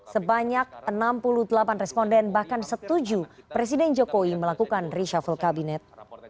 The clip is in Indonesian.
sebanyak enam puluh delapan responden bahkan setuju presiden jokowi melakukan reshuffle kabinet